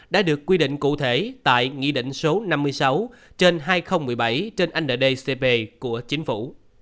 đã được quy định cụ thể tại nghị định số năm mươi sáu trên hai nghìn một mươi bảy trên ndcp của chính phủ